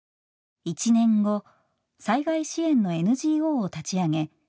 １年後災害支援のＮＧＯを立ち上げ